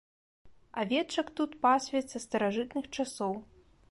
Авечак тут пасвяць са старажытных часоў.